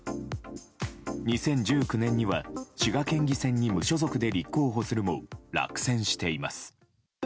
２０１９年には滋賀県議員選に無所属で立候補するも落選しています。